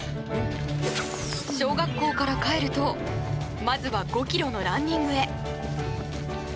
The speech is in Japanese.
小学校から帰るとまずは５ｋｍのランニングへ。